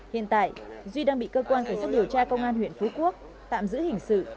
hiện tại duy đang bị cơ quan cảnh sát điều tra công an huyện phú quốc tạm giữ hình sự